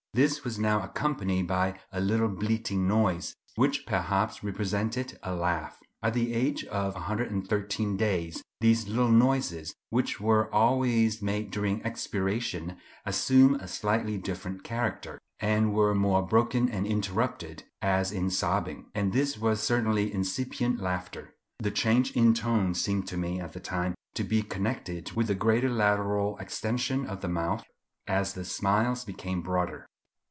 This was now accompanied by a little bleating noise, which perhaps represented a laugh. At the age of 113 days these little noises, which were always made during expiration, assumed a slightly different character, and were more broken or interrupted, as in sobbing; and this was certainly incipient laughter. The change in tone seemed to me at the time to be connected with the greater lateral extension of the mouth as the smiles became broader.